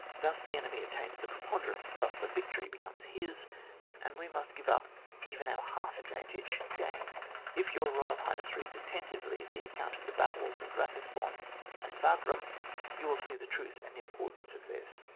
Thus the enemy obtains the preponderance, thus the victory becomes his, and we must g^ye up even our half advantage gained. If Your Boyal Highness reads attentively the account of the Battles of Batisbonne and Wagram, you will see both the truth and importance of this.